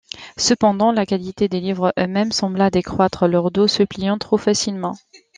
Cependant la qualité des livres eux-mêmes sembla décroître, leur dos se pliant trop facilement.